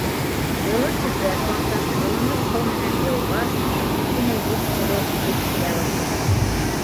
Йылы сепрәк баҫып, йылымыс һыу менән йыуғас, нәҙек кенә еп булып һөт килә башланы.